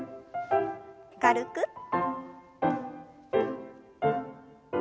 軽く。